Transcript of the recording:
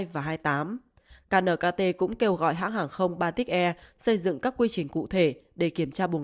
và hai mươi tám knkt cũng kêu gọi hãng hàng không baltic air xây dựng các quy trình cụ thể để kiểm tra bùng